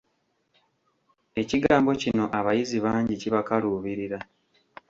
Ekigambo kino abayizi bangi kibakaluubirira.